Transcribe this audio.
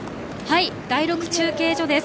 第６中継所です。